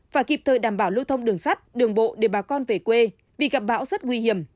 và kịp thời đảm bảo lưu thông đường sắt đường bộ để bà con về quê vì gặp bão rất nguy hiểm